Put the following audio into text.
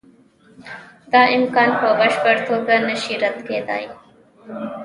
دا امکان په بشپړه توګه نشي رد کېدای.